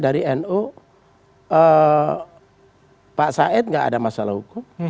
dari nu pak said nggak ada masalah hukum